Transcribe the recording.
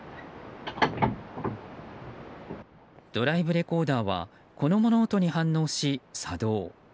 ドライブレコーダーはこの物音に反応し、作動。